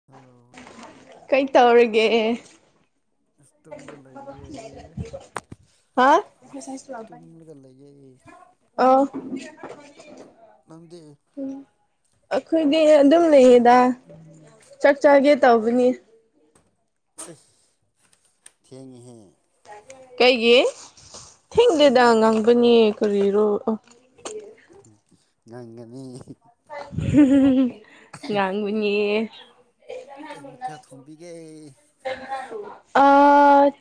[unintelligible] ꯀꯩ ꯇꯧꯔꯤꯒꯦ ꯑꯗꯨꯝ ꯂꯩꯌꯦ ꯍꯥ ꯑꯁ ꯇꯨꯝꯂꯒ ꯂꯩꯌꯦ ꯑꯥꯎ ꯅꯪꯗꯤ ꯎꯝ ꯑꯩꯈꯣꯏꯗꯤ ꯑꯗꯨꯝ ꯂꯩꯌꯦꯗ ꯆꯥꯛ ꯆꯥꯒꯦ ꯇꯧꯕꯅꯤ ꯑꯁ ꯊꯦꯡꯍꯦ ꯀꯩꯒꯤ ꯊꯦꯡꯗꯦꯗ ꯊꯦꯡꯉꯦꯕ ꯉꯥꯡꯕꯅꯦ ꯀꯔꯤꯔꯣ ꯑ ꯉꯒꯅꯤ ꯎ ꯀꯁ ꯃꯊꯦ ꯁꯣꯡꯝꯕꯤꯒꯦ ꯑ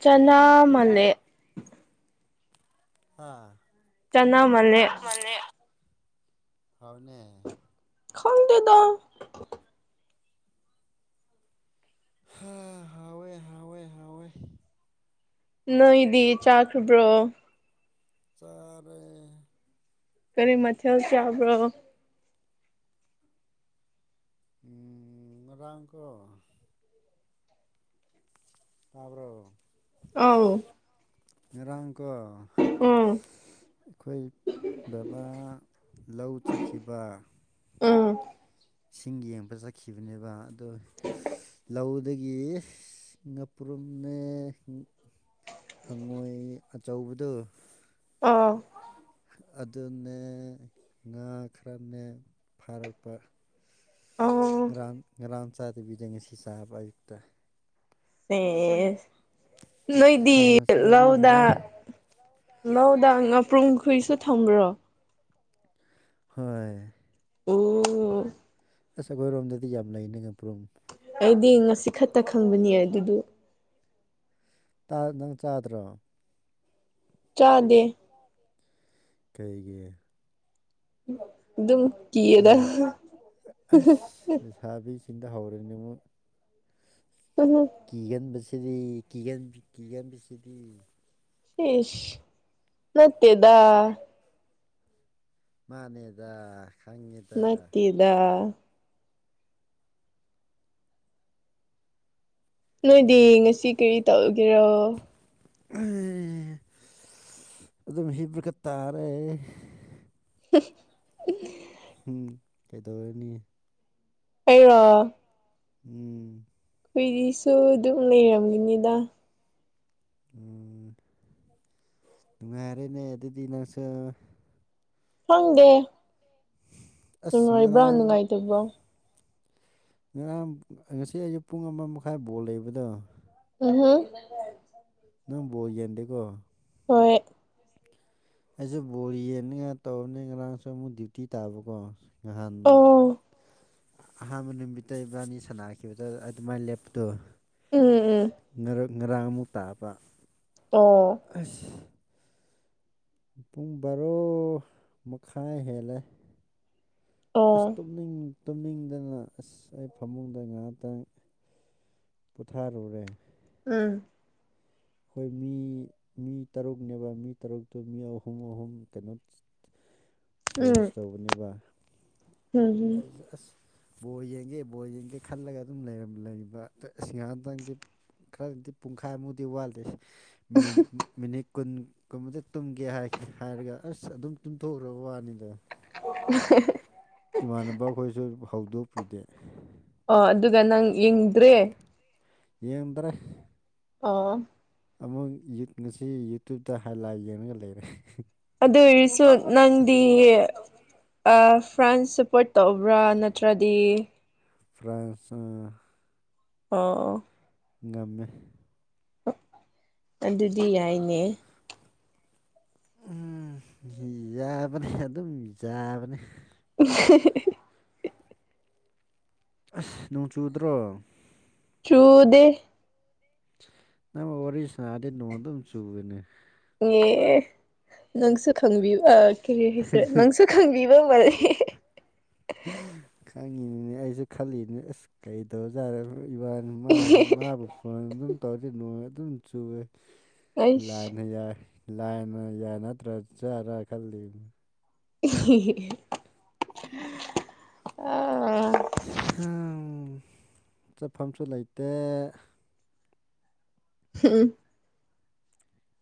ꯆꯅꯥ ꯃꯅꯦ ꯑꯥ ꯇꯅ ꯃꯅꯦ ꯍꯥꯎꯅꯦ ꯈꯪꯇꯦꯗ ꯍꯥ ꯍꯥꯎꯋꯦ ꯍꯥꯎꯋꯦ ꯍꯥꯎꯋꯦ ꯅꯣꯏꯗꯤ ꯆꯥꯈ꯭ꯔꯕ꯭ꯔꯣ ꯆꯥꯔꯦ ꯀꯔꯤ ꯃꯊꯦꯜ ꯆꯥꯕ꯭ꯔꯣ ꯎꯝ ꯉꯔꯥꯡꯀꯣ ꯇꯥꯕ꯭ꯔꯣ ꯑꯥꯎ ꯉꯔꯥꯡꯀꯣ ꯎꯝ ꯑꯩꯈꯣꯏ ꯕꯕꯥ ꯂꯧ ꯆꯠꯈꯤꯕ ꯎꯝ ꯏꯁꯤꯡ ꯌꯦꯡꯕ ꯆꯠꯈꯤꯕꯅꯦꯕ ꯑꯗꯣ ꯂꯧꯗꯒꯤ ꯉꯥꯄ꯭ꯔꯨꯝꯅꯦ ꯍꯪꯉꯣꯏ ꯑꯆꯧꯕꯗꯣ ꯑꯥ ꯑꯗꯨꯅꯦ ꯉꯥ ꯈꯔꯅꯦ ꯐꯥꯔꯛꯄ ꯑꯣ ꯭ꯉꯔꯥꯡ ꯉꯔꯥꯡ ꯆꯥꯗꯕꯤꯗ ꯉꯁꯤ ꯆꯥꯕ ꯑꯌꯨꯛꯇ ꯑꯦ ꯅꯣꯏꯗꯤ ꯍꯥꯎꯅ ꯂꯥꯎꯗ ꯆꯥꯕꯤꯈ꯭ꯔꯦ ꯂꯧꯗꯥ ꯉꯥꯄ꯭ꯔꯨꯝ ꯈꯣꯏꯁꯨ ꯊꯝꯕ꯭ꯔꯣ ꯍꯣꯏ [unintelligible] ꯑꯁ ꯑꯩꯈꯣꯏꯔꯣꯝꯗꯗꯤ ꯌꯥꯝ ꯂꯩꯅꯤ ꯉꯛꯄ꯭ꯔꯨꯝ ꯑꯩꯗꯤ ꯉꯁꯤ ꯈꯛꯇ ꯈꯪꯕꯅꯦ ꯑꯗꯨꯗꯨ ꯅꯪ ꯆꯥꯗ꯭ꯔꯣ ꯆꯥꯗꯦ ꯀꯩꯒꯤ ꯑꯗꯨꯝ ꯀꯤꯔꯒ ꯂꯩꯁꯥꯕꯤ ꯁꯤꯟꯇ ꯍꯥꯎꯔꯦꯅꯦꯉꯣ [unintelligible] ꯀꯤꯒꯟꯕꯁꯤꯗꯤ ꯀꯤꯒ ꯀꯤꯒꯟꯕꯁꯤꯗꯤ ꯢꯁ ꯅꯠꯇꯦꯗ ꯃꯥꯅꯦꯗ ꯈꯪꯉꯦꯗ ꯅꯠꯇꯦꯗ ꯅꯣꯏꯗꯤ ꯉꯁꯤ ꯀꯔꯤ ꯇꯧꯒꯦꯔꯣ ꯑꯗꯨꯝ ꯍꯤꯕꯒ ꯇꯥꯔꯦ [inaudible] ꯎꯝ ꯀꯩꯗꯧꯔꯅꯤ ꯑꯩꯔ ꯎꯝ ꯍꯨꯏꯗꯤꯁꯨ ꯑꯗꯨꯝ ꯂꯩꯔꯝꯃꯤꯅꯤꯗ ꯎ ꯅꯨꯡꯉꯥꯏꯔꯦꯅꯦ ꯑꯗꯨꯗꯤ ꯅꯪꯁꯨ ꯈꯪꯗꯦ ꯑꯁ ꯅꯨꯡꯉꯥꯏꯕ꯭ꯔꯥ ꯉꯔꯥꯡ ꯅꯨꯡꯉꯥꯏꯇꯕ꯭ꯔꯣ ꯉꯔꯥꯡ ꯉꯁꯤ ꯑꯌꯨꯛ ꯄꯨꯡ ꯑꯃ ꯃꯈꯥꯏ ꯕꯣꯜ ꯂꯩꯕꯗꯣ ꯎꯝꯍꯨꯝ ꯅꯪ ꯕꯣꯜ ꯌꯦꯡꯗꯦꯀꯣ ꯍꯣꯏ ꯑꯩꯁꯦ ꯕꯣꯜ ꯌꯦꯡꯅꯤ ꯉꯥꯏ ꯇꯧꯔꯅꯤ ꯉꯔꯥꯡꯁꯨ ꯑꯃꯨꯛ ꯗ꯭ꯌꯨꯇꯤ ꯇꯥꯕꯀꯣ ꯅꯍꯥꯟ ꯑꯣ ꯑꯍꯥꯟꯕ ꯅꯨꯃꯤꯠꯇ ꯏꯕꯥꯅꯤ ꯁꯥꯟꯅꯈꯤꯕꯗ ꯑꯗꯨꯃꯥꯏꯅ ꯂꯦꯞꯇꯣ ꯎꯝ ꯎꯝ ꯎꯝ ꯉ ꯉꯔꯥꯡ ꯑꯃꯨꯛ ꯇꯥꯕ ꯑꯣ ꯑꯁ ꯄꯨꯡ ꯕꯥꯔꯣ ꯃꯈꯥꯏ ꯍꯦꯜꯂꯦ ꯑꯁ ꯑꯣ ꯇꯅꯤꯡ ꯇꯨꯝꯅꯤꯡꯗꯅ ꯑꯁ ꯑꯩ ꯐꯃꯨꯡꯗ ꯉꯥꯏꯍꯥꯛꯇꯪ ꯄꯣꯊꯥꯔꯨꯔꯦ ꯎꯝ ꯑꯩꯈꯣꯏ ꯃꯤ ꯃꯤ ꯇꯔꯨꯛꯅꯦꯕ ꯃꯤ ꯇꯔꯨꯛꯇꯨ ꯃꯤ ꯑꯍꯨꯝ ꯑꯍꯨꯝ ꯀꯩꯅꯣ ꯆꯦꯟꯖ ꯎꯝ ꯇꯧꯕꯅꯦꯕ ꯎꯝ ꯎꯝ ꯑꯥꯏꯖꯁ ꯕꯣꯔ ꯌꯦꯡꯒꯦ ꯕꯣꯔꯜ ꯌꯦꯡꯒꯦ ꯈꯜꯂꯒ ꯑꯗꯨꯝ ꯂꯩꯕ ꯑꯁꯤꯍꯇꯪꯗꯤ ꯈꯔꯗꯤ ꯄꯨꯡꯈꯥꯏꯃꯨꯗꯤ ꯋꯥꯠꯂꯤꯌꯦ ꯃꯤꯅꯤꯠ ꯃꯤꯅꯤꯠ ꯀꯨꯟꯒꯨꯝꯕꯗ ꯇꯨꯝꯒꯦ ꯍꯥꯏꯔꯒ ꯑꯁ ꯑꯗꯨꯝ ꯇꯨꯝꯊꯣꯛꯈꯔꯕ ꯋꯥꯅꯤꯗ ꯍꯦ ꯍꯦ ꯍꯦ ꯏꯃꯥꯟꯅꯕ ꯑꯩꯈꯣꯏꯁꯨ ꯍꯧꯗꯣꯛꯄꯤꯗꯦ ꯑꯣ ꯑꯗꯨꯒ ꯅꯪ ꯌꯦꯡꯗ꯭ꯔꯦ ꯌꯦꯡꯗ꯭ꯔꯦ ꯑꫭ ꯑꯃꯨꯛ ꯉꯁꯤ ꯌꯨꯇꯨꯞꯇ ꯍꯥꯏꯂꯥꯏ ꯌꯦꯡꯉꯒ ꯂꯩꯔꯦ ꯑꯗꯨ ꯑꯣꯏꯔꯁꯨ ꯅꯪꯗꯤ ꯐ꯭ꯔꯥꯟꯁ ꯁꯄꯣꯔꯠ ꯇꯧꯕ꯭ꯔꯥ ꯅꯠꯇ꯭ꯔꯗꯤ ꯐ꯭ꯔꯥꯟꯁ [unintelligible] ꯑꯣ ꯑꯣ ꯉꯝꯃꯦ ꯑꯗꯨꯗꯤ ꯌꯥꯏꯅꯦ ꯎꯝ ꯌꯥꯕꯅꯦ ꯑꯗꯨꯝ ꯌꯥꯕꯅꯦ ꯏꯍꯥ ꯍ ꯑꯁ ꯅꯣꯡ ꯆꯨꯗ꯭ꯔꯣ ꯆꯨꯗꯦ ꯅꯪꯒ ꯋꯥꯔꯤ ꯁꯥꯅꯔꯗꯤ ꯅꯣꯡ ꯑꯗꯨꯝ ꯆꯨꯋꯦꯅꯦ ꯑꯦ ꯅꯪꯁꯨ ꯈꯪꯕꯤꯕ ꯀꯔꯤ ꯍꯥꯏꯁꯔꯥ ꯅꯪꯁꯨ ꯈꯪꯕꯤꯕ ꯃꯥꯟꯂꯤ ꯈꯪꯉꯤꯅꯤꯅꯦ ꯑꯩꯁꯨ ꯈꯜꯂꯤꯅꯦ ꯑꯁ ꯀꯩꯗꯧꯖꯥꯔ ꯏꯕꯥꯅꯤ ꯃꯥꯁꯨ ꯃꯥꯕꯨ ꯐꯣꯟ ꯑꯗꯨꯝ ꯇꯧꯗꯤ ꯅꯣꯡ ꯑꯗꯨꯝ ꯆꯨꯋꯦ ꯑꯩꯁ ꯂꯥꯏꯅ ꯌꯥꯏ ꯂꯥꯏꯅ ꯌꯥꯏ ꯅꯠꯇ꯭ꯔ ꯖꯔ ꯈꯜꯂꯤꯝ [unintelligible] [unintelligible] ꯑꯥ ꯆꯠꯐꯝꯁꯨ ꯂꯩꯇꯦ ꯍꯨꯎꯝ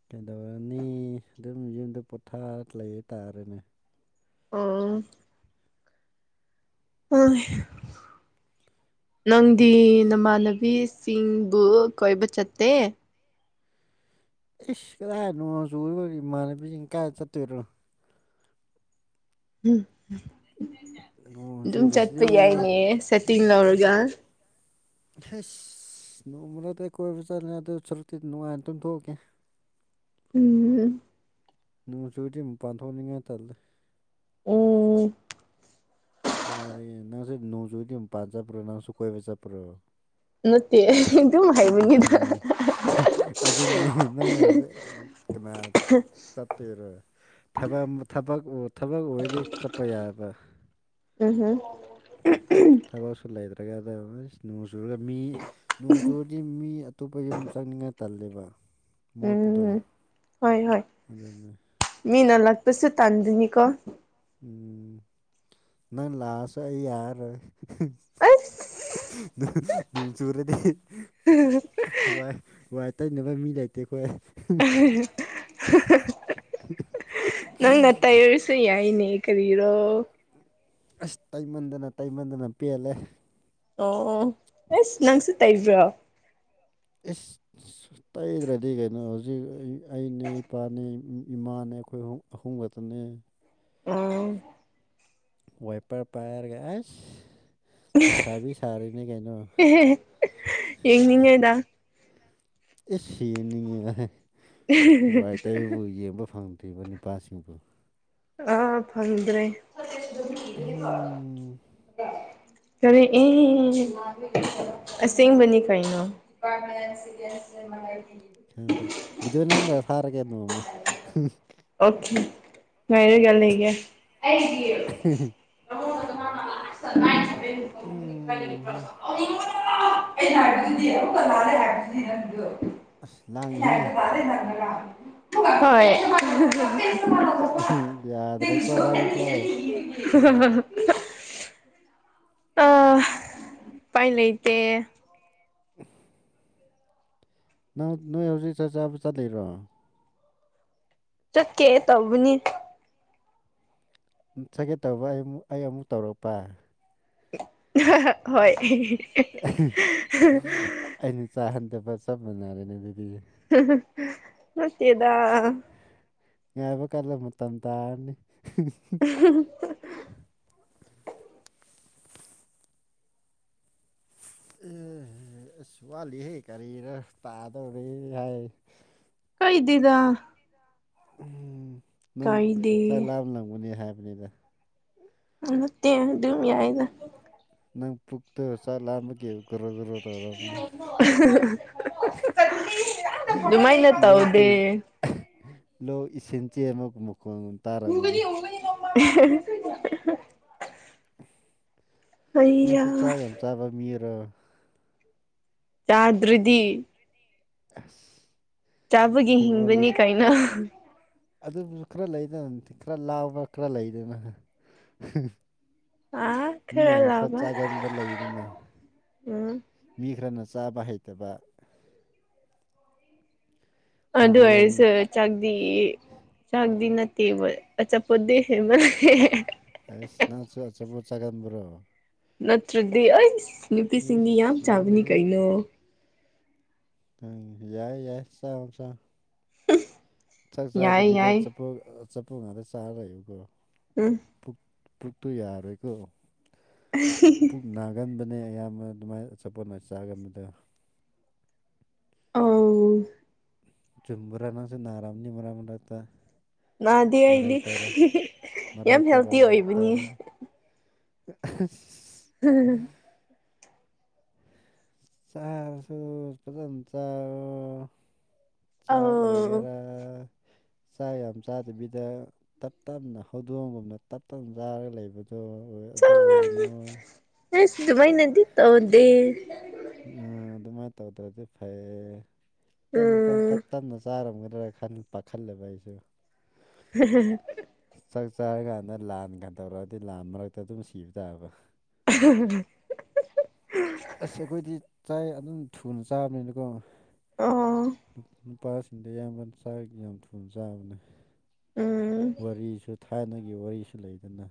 ꯀꯩꯗꯧꯔꯅꯤ ꯑꯗꯨꯝ ꯌꯨꯝꯗ ꯄꯣꯊꯥ ꯂꯩꯇꯥꯥꯔꯅꯦ ꯎꯝ ꯑ ꯅꯪꯗꯤ ꯑꯁ ꯅꯃꯥꯟꯅꯕꯤꯁ ꯆꯤꯡꯕꯨ ꯀꯣꯏꯕ ꯆꯠꯇꯦ ꯑꯩ ꯀꯗꯥꯏ ꯅꯣꯡ ꯆꯨꯕꯗꯨꯗ ꯏꯃꯥꯟꯅꯕꯤꯁꯤꯡ ꯀꯥꯏꯗ ꯆꯠꯇꯣꯏꯔꯣ꯫ ꯎꯝ ꯅꯣꯡ ꯑꯗꯨꯝ ꯆꯠꯄ ꯆꯨꯔꯤꯁꯤꯗꯤ ꯌꯥꯏꯅꯦ ꯁꯦꯠꯇꯤꯡ ꯂꯧꯔꯒ ꯍꯁ ꯅꯣꯡꯃꯅꯗꯤ ꯀꯣꯏꯕ ꯆꯠꯂꯦ ꯑꯗꯨ ꯁꯔꯨꯛꯇꯤ ꯅꯨꯡꯉꯥꯏꯅ ꯇꯨꯝꯊꯣꯛꯀꯦ ꯎꯝ ꯅꯣꯡ ꯆꯨꯔꯗꯤ ꯃꯄꯥꯟꯊꯣꯛꯅꯤꯡꯉꯥꯏ ꯇꯜꯂ‌ꯦ ꯎꯝ ꯀꯌꯥꯔꯦ ꯅꯪꯁꯨ ꯅꯣꯡꯖꯨꯗꯤ ꯃꯄꯥꯟ ꯆꯠꯄ꯭ꯔꯣ ꯅꯪꯁꯨ ꯀꯣꯏꯕ ꯆꯠꯄ꯭ꯔꯣ꯫ ꯅꯠꯇꯦ ꯍꯥꯏꯕꯅꯤꯗ ꯑꯗꯨꯅꯤ ꯑꯗꯨꯅꯤ ꯅꯪ ꯀꯅꯥ꯫ ꯆꯠꯇꫭꯏꯔꯥ ꯊꯕꯛꯃ ꯊꯕꯛ ꯊꯕꯛ ꯑꯣꯏꯗꯤ ꯆꯠꯄ ꯌꯥꯏꯕ ꯎꯝ ꯎꯝ [unintelligible] ꯊꯕꯛꯁꯨ ꯂꯩꯇ꯭ꯔꯒ ꯑꯗꯨ ꯅꯣꯡ ꯆꯨꯔꯒ ꯃꯤ ꯅꯣꯡ ꯆꯨꯔꯗꯤ ꯃꯤ ꯑꯇꯣꯞꯄ ꯌꯨꯝ ꯆꯪꯅꯤꯡꯉꯥꯏ ꯇꯜꯂꯦꯕ꯫ ꯃꯣꯠꯄꯗꯣ ꯎꯝ ꯍꯣꯏ ꯍꯣꯏ ꯑꯗꯨꯅꯦ ꯃꯤꯅ ꯂꯥꯛꯄꯁꯨ ꯇꯥꯟꯗꯣꯏꯅꯤꯀꯣ ꯎꯝ ꯅꯪ ꯂꯥꯛꯑꯁꯨ ꯑꯩ ꯌꯥꯔꯔꯣꯏ ꯑꯁ ꯅꯣꯡ ꯆꯨꯔꯗꯤ꯫ [unintelligible] ꯋꯥꯏ ꯋꯥꯏ ꯇꯩꯅꯕ ꯃꯤ ꯂꯩꯇꯦ ꯑꯩꯈꯣꯏ [unintelligible] ꯅꯪꯅ ꯇꯩꯔꯁꯨ ꯌꯥꯏꯅꯦ ꯀꯔꯤꯔꯣ ꯑꯁ ꯇꯩꯃꯟꯗꯅ ꯇꯩꯃꯟꯗꯅ ꯄꯦꯜꯂꯦ ꯑꯣ ꯑꯣ ꯑꯦꯁ ꯅꯪꯁꯨ ꯇꯩꯕ꯭ꯔꯣ ꯏꯁ ꯇꯩꯗ꯭ꯔꯗꯤ ꯀꯩꯅꯣ ꯍꯧꯖꯤꯛ ꯑꯅꯦ ꯏꯄꯥꯅꯦ ꯏꯃꯥꯅꯦ ꯑꯩꯈꯣꯏ ꯑꯍꯨꯝ ꯑꯍꯨꯝꯈꯛꯇꯅꯦ ꯎꯝ ꯋꯥꯏꯄꯔ ꯄꯔ ꯑꯩꯁ ꯌꯦꯡꯅꯤꯡꯉꯦꯗ ꯏꯁ ꯌꯦꯡꯅꯤꯡꯉꯦꯗ ꯑꯩ ꯋꯥꯏ ꯇꯩꯕꯨ ꯌꯦꯡꯕ ꯐꯪꯗ꯭ꯔꯤꯕ ꯅꯨꯄꯥꯁꯤꯡꯕꯨ ꯑꯥ ꯐꯪꯗ꯭ꯔꯦ ꯎꯝ ꯀꯔꯤ ꯏ ꯑꯁꯦꯡꯕꯅꯤ ꯀꯩꯅꯣ꯫ [unintelligible] ꯈꯪꯗꯔꯦ ꯕꯤꯗꯑꯣ ꯅꯝꯔꯒ ꯊꯥꯔꯒꯦ ꯑꯗꯨꯝ꯫ ꯑꯣꯀꯦ ꯉꯥꯏꯔꯒ ꯂꯩꯌꯦ꯫ ꯎꯝ ꯑꯁ ꯂꯥꯡꯉꯤꯍꯦ [unintelligible] [unintelligible] ꯍꯣꯏ [unintelligible] ꯌꯥꯗ꯭ꯔꯦꯀꯣ ꯅꯪꯀꯣ [unintelligible] ꯑ ꯎꯄꯥꯏ ꯂꯩꯇꯦ꯫ ꯑ [unintelligible] ꯅꯪ ꯅꯣꯏ ꯍꯧꯖꯤꯛ ꯆꯆꯥꯕ ꯆꯠꯂꯤꯔꯣ ꯆꯠꯀꯦ ꯇꯧꯕꯅꯤ꯫ ꯆꯠꯒꯦ ꯇꯧꯕ ꯑꯩꯛ ꯑꯩ ꯑꯃꯨꯛ ꯇꯧꯔꯛꯄ ꯍꯣꯏ ꯑꯩꯅ ꯆꯥꯍꯟꯗꯕ ꯆꯞ ꯃꯥꯟꯅꯔꯦꯅꯦ ꯑꯗꯨꯗꯤ ꯅꯠꯇꯦꯗ ꯉꯥꯏꯕ ꯀꯜꯂ ꯃꯇꯝ ꯇꯥꯔꯅꯤ ꯎ [unintelligible] ꯑꯦ ꯋꯥꯠꯂꯤꯍꯩ ꯀꯔꯤꯅ ꯇꯥꯗꯧꯔꯤ ꯍꯥꯏ ꯀꯩꯗꯦꯗ꯫ ꯅꯪ ꯀꯥꯏꯗꯦ ꯆꯥꯛ ꯂꯥꯝ ꯂꯝꯒꯅꯤ ꯍꯥꯏꯕꯅꯤꯗ꯫ ꯅꯠꯇꯦ ꯑꯗꯨꯝ ꯌꯥꯌꯦꯅ꯫ ꯅꯪ ꯄꯨꯛꯇ ꯆꯥꯛ ꯂꯥꯝꯕꯒꯤ꯫ ꯒꯣꯔꯣ ꯒꯣꯔꯣ ꯇꯧꯔꯝꯅꯤ ꯑꯗꯨꯃꯥꯏꯅ ꯇꯧꯗꯦ꯫ ꯂꯣꯛꯇꯩ ꯂꯣꯛ ꯏꯁꯤꯡ ꯆ‌ꯦꯟꯕꯒꯤ ꯃꯈꫭꯜ ꯎꯕꯅꯤ ꯎꯕꯅꯤ꯫ ꯅꯪꯁꯨ ꯆꯥ ꯌꯥꯝ ꯆꯥꯕ ꯃꯤꯔꯣ ꯆꯥꯗ꯭ꯔꯗꯤ꯫ ꯑꯁ꯫ ꯆꯥꯕꯒꯤ ꯍꯤꯡꯕꯅꯤ ꯀꯩꯅꯣ꯫ ꯑꯗꯨꯕꯨꯁꯨ ꯈꯔ ꯂꯩꯗꯅ ꯈꯔ ꯂꯥꯎꯕ꯭ꯔ ꯈꯔ ꯂꯩꯗꯅ꯫ ꯑꯥ ꯃꯤ ꯌꯥꯝ ꯈꯔ ꯂꯥꯕ ꯆꯥꯒꯟꯕ ꯂꯩꯗꯅ ꯎꯝ꯫ ꯃꯤ ꯈꯔꯅ ꯆꯥꯕ ꯍꯩꯇꯕ ꯑꯗꯨ ꯍꯧꯗꯣꯡ ꯑꯣꯏꯁꯨ ꯆꯥꯛꯗꯤ ꯆꯥꯛꯗꯤ ꯅꯠꯇꯦꯕ ꯑꯆꯥꯄꯣꯠꯇ ꯍꯦꯟꯕ ꯍꯦꯍꯦ ꯑꯦꯁ ꯅꯪꯁꯨ ꯑꯆꯥꯄꫭꯠ ꯆꯥꯒꯥꯟꯕ꯭ꯔꯣ ꯅꯠꯇ꯭ꯔꯗꯤ ꯑꯩꯁ ꯅꯨꯄꯤꯁꯤꯡꯗꯤ ꯌꯥꯝ ꯏꯁ ꯆꯥꯕꯅꯤ ꯂꯣꯏꯔꯦꯍꯦ ꯀꯩꯅꯣ꯫ ꯑꯪ ꯌꯥꯏ ꯌꯥꯏ ꯆꯥꯔꫭ ꯆꯥꯔꫭ ꯆꯥꯛ ꯆꯥꯗ ꯌꯥꯏ ꯕꯤꯗ ꯌꯥꯏ ꯑꯆꯥꯄꯣꯠ ꯑꯆꯥꯄꯣꯠ ꯉꯥꯛꯇ ꯆꯥꯔꯂꯩꯌꯨꯀꯣ꯫ ꯎꯝ꯫ ꯄꯨ ꯄꯨꯛꯇꯨ ꯌꯥꯔꯣꯢꯀꯣ ꯑ ꯍꯍ [unintelligible] ꯄꯨꯛ ꯅꯥꯒꯟꯕꯅꯦ ꯑꯌꯥꯝꯕ ꯑꯗꯨꯃꯥꯏꯅ ꯑꯆꯥꯄꯣꯠ ꯑꯣꯏꯅ ꯆꯥꯒꯟꯕꯗꯣ ꯑꯥ ꯆꯨꯨꯝꯕꯔ ꯅꯡꯁꯨ ꯅꯥꯔꯝꯅꯤ ꯃꯔꯛ ꯃꯔꯛꯇ ꯅꯥꯗꯦ ꯃꯔꯥꯏ ꯑꯩꯗꯤ ꯇꯧꯔ ꯃꯔꯥꯏ ꯌꯥꯝ ꯇꯧꯔ ꯍꯦꯜꯇꯤ ꯑꯣꯏꯕꯅꯤ ꯇꯧꯔ [inaudible] [inaudible] [unintelligible] ꯆꯥꯁꯨ ꯐꯖꯅ ꯆꯥꯔꯣ ꯆꯥ ꯑꯧ ꯑꯣꯏꯒꯦꯔꯥ ꯆꯥꯛ ꯌꯥꯝ ꯆꯥꯗꯕꯤꯗ ꯇꯞ ꯇꯞꯅ ꯍꯧꯗꯣꯡꯒꯨꯝꯅ ꯇꯞ ꯇꯞꯅ ꯆꯥꯔꯒ ꯂꯩꯕ ꯑꯣ ꯑꯗꯨ ꯑꯣꯏꯒꯅꯨ ꯑꯦꯁ ꯑꯗꯨꯃꯥꯏꯅꯗꯤ ꯇꯧꯗꯦ ꯑ ꯑꯗꯨꯃꯥꯏꯅ ꯇꯧꯗ꯭ꯔꯗꯤ ꯐꯩꯌꯦ ꯈꯤꯇꯪ ꯈꯤꯇꯪ ꯇꯞ ꯎꯝ ꯇꯞꯅ ꯆꯥꯔꯝꯒꯗ꯭ꯔꯥ ꯈꯟꯕ ꯄꯥꯈꯠꯂꯦꯕ ꯑꯩꯁꯨ ꯎ [unintelligible] ꯆꯥꯛ ꯆꯥꯔꯀꯥꯟꯗ ꯂꯥꯟ ꯀꯥꯟ ꯇꯧꯔꯛꯑꯗꯤ ꯂꯥꯟ ꯃꯔꯛꯇ ꯑꯗꯨꯝ ꯁꯤꯕ ꯇꯥꯕ [unintelligible] ꯑꯁ ꯑꯩꯈꯣꯏꯗꯤ ꯆꯥꯏ ꯑꯗꯨꯝ ꯊꯨꯅ ꯆꯥꯕꯅꯤꯅꯀꯣ ꯑꯣ ꯅꯨꯄꯥꯁꯤꯡꯗꯤ ꯌꯥꯝꯉꯟꯅ ꯆꯥꯛ ꯌꯥꯝ ꯊꯨꯝ ꯆꯥꯕꯅꯦ ꯎꯝ ꯋꯥꯔꯤꯁꯨ ꯊꯥꯏꯅꯒꯤ ꯋꯥꯔꯤꯁꯨ ꯂꯩꯕꯅꯦ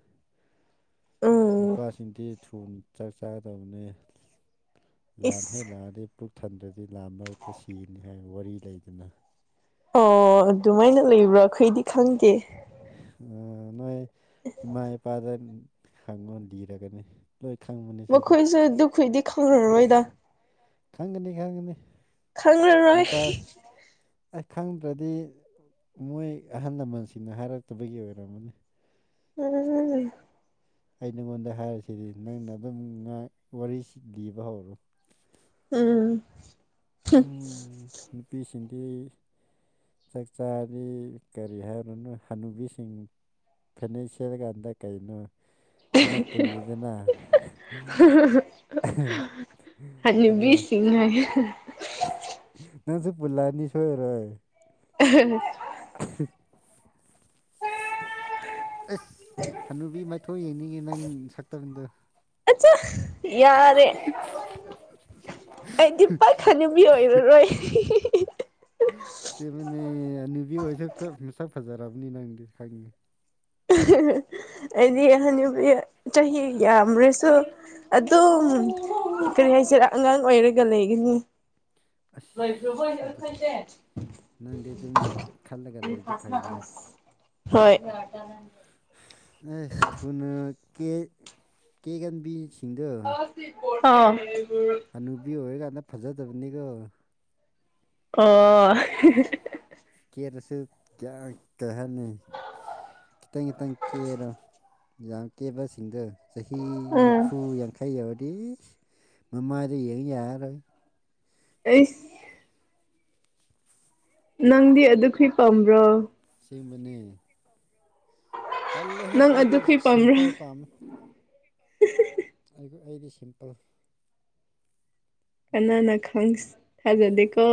ꯎꯝ ꯅꯨꯄꯥꯁꯤꯡꯗꯤ ꯊꯨꯅ ꯆꯥꯛ ꯆꯥꯒꯗꯕꯅꯦ ꯂꯥꯟꯍꯦ ꯏꯁ ꯂꯥꯛꯑꯗꯤ ꯄꯨꯛ ꯊꯟꯗ꯭ꯔꯗꯤ ꯂꯥ ꯃꯔꯛꯇ ꯁꯤꯅꯤ ꯍꯥꯏꯕ ꯋꯥꯔꯤ ꯂꯩꯗꯅ ꯑꯣ ꯑꯗꯨꯃꯥꯏꯅ ꯎꯏꯕꯔ ꯑꯩꯈꯣꯏꯘꯤ ꯈꯪꯗꯦ ꯑ ꯅꯣꯏ ꯏꯃꯥ ꯏꯄꯥꯗ ꯍꯪꯉꯣ ꯂꯤꯔꯒꯅꯤ ꯂꯣꯏꯈꯪꯕꯅꯦ ꯃꯈꯣꯏꯁꯨ ꯑꯗꯨꯈꯣꯏꯗꯤ ꯈꯪꯉꯔꯣꯏꯗ ꯈꯪꯒꯅꯤ ꯈꯪꯒꯅꯤ ꯈꯪꯔꯔꯣꯏ ꯅꯨꯄꯥ ꯑꯩ ꯈꯪꯗ꯭ꯔꯗꯤ ꯃꯣꯏ ꯑꯍꯜ ꯂꯃꯟꯁꯤꯡꯅ ꯍꯥꯏꯔꯛꯇꯕꯒꯤ ꯑꯣꯏꯔꯝꯃꯅꯤ [unintelligible] ꯑꯩ ꯅꯉꯣꯟꯗ ꯍꯥꯏꯔꯤꯁꯤꯗꯤ ꯅꯪꯅ ꯑꯗꯨꯝ ꯉꯍ ꯋꯥꯔꯤꯁꯤ ꯂꯤꯕ ꯍꯧꯔꯣ ꯎꯝ ꯅꯨꯄꯤꯁꯤꯡꯗꯤ ꯆꯛꯆꯥꯗꯤ ꯀꯔꯤ ꯍꯥꯏꯔꯨꯅꯨ ꯍꯅꯨꯕꯤꯁꯤꯡ ꯐꯥꯏꯅꯥꯟꯁꯤꯌꯦꯜ ꯀꯥꯟꯗ ꯀꯩꯅꯣ ꯑꯃ ꯄꯨꯜꯂꯤꯗꯅ ꯑꯗꯨ ꯍꯅꯨꯕꯤꯁꯤꯡ ꯍꯥꯏ ꯅꯪꯁꯨ ꯄꯨꯂꯥꯅꯤ ꯁꯣꯏꯔꯣꯏ [unintelligible] [unintelligible] [unintelligible] [unintelligible] ꯑꯁ ꯍꯅꯨꯕꯤ ꯃꯥꯏꯊꯣꯡ ꯌꯦꯡꯅꯤꯡꯉꯦ ꯅꯪ ꯁꯛꯇꯝꯗꯣ ꯑꯆꯥ ꯌꯥꯔꯦ ꯑꯩꯗꯤ ꯄꯥꯛ ꯍꯅꯨꯕꯤ ꯑꯣꯏꯔꯔꯣꯏ ꯍꯣꯏ [unintelligible] ꯅꯪꯁꯤꯕꯅꯦ ꯍꯅꯨꯕꯤ ꯑꯣꯏꯔꯁꯨ ꯃꯁꯛ ꯐꯖꯔꯕꯅꯤ ꯅꯪꯗꯤ ꯈꯪꯉꯤ ꯑꯩꯗꯤ ꯍꯅꯨꯕꯤ ꯆꯍꯤ ꯌꯥꯝ꯭ꯔꯁꯨ ꯑꯗꯨꯝ ꯀꯔꯤ ꯍꯥꯏꯁꯔ ꯑꯉꯥꯡ ꯑꯣꯏꯔꯒ ꯂꯩꯒꯅꯤ ꯂꯣꯏꯕ꯭ꯔꯕꯩ ꯑꯁ ꯑꯗꯨ ꯑꯩꯈꯁꯦ [inaudible] ꯅꯪꯗꯤ ꯑꯗꯨꯝ ꯈꯜꯂꯒ ꯂꯩꯗꯣ ꯐꯩꯅꯦ ꯑꯩꯈꯣꯏꯁꯦ ꯍꯣꯏ ꯑꯦꯁ ꯊꯨꯅ ꯀꯦ ꯀꯦꯒꯟꯕꯤꯁꯤꯡꯗꯣ ꯑ [unintelligible] ꯍꯅꯨꯕꯤ ꯑꯣꯏꯔꯀꯥꯟꯗ ꯐꯖꯗꯕꯅꯤꯀꯣ ꯑꯣ [unintelligible] ꯀꯦꯔꯁꯨ [inaudible] ꯀꯩ ꯍꯥꯏꯅꯤ ꯈꯤꯇꯪ ꯈꯤꯇꯪ ꯀꯦꯔꯣ ꯌꯥꯝ ꯀꯦꯕꯁꯤꯡꯗꯣ ꯆꯍꯤ ꯅꯤꯐꯨ ꯌꯥꯡꯈꯩ ꯌꯧꯔꯗꯤ ꯏꯁ ꯃꯃꯥꯏꯗꯣ ꯌꯦꯡ ꯌꯥꯔꯔꯣꯏ ꯑꯩꯁ [inaudible] ꯅꯪꯗꯤ ꯑꯗꯨꯈꯨꯏ ꯄꯥꯝꯕ꯭ꯔꯣ ꯑꯁꯦꯡꯕꯅꯦ ꯇꯜꯂꯦꯍꯦ ꯅꯪ ꯍꯥꯏꯗꯤ ꯑꯗꯨꯈꯣꯏ ꯄꯥꯝꯕ꯭ꯔꯣ ꯁꯤꯝꯄꯜ ꯄꯥꯝꯃꯦ ꯑꯩ ꯑꯩꯗꯤ ꯁꯤꯝꯄꯜ ꯀꯅꯥꯅ ꯈꯪ ꯊꯥꯖꯗꯦꯀꯣ